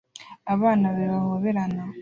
Abana babiri bahoberana